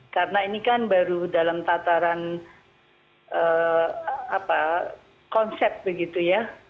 karena ini kan baru dalam tataran konsep begitu ya